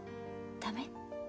駄目？